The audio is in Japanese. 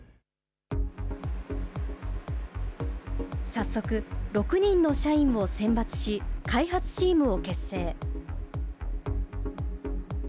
早速、６人の社員を選抜し、開発チームを結成。